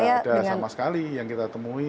ternyata memang tidak ada sama sekali yang kita temui